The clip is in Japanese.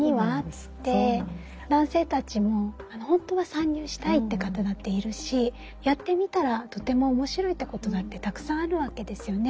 男性たちも本当は参入したいって方だっているしやってみたらとても面白いってことだってたくさんあるわけですよね。